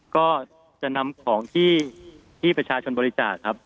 ก็จะนำของที่ประชาชนบริจาคครับ